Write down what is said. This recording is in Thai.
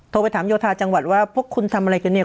โทรไปถามโยธาจังหวัดว่าพวกคุณทำอะไรกันเนี่ย